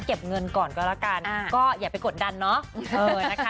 เก็บเงินก่อนก็ละกันอ่าก็อย่าไปกดดันเนาะเออนะคะ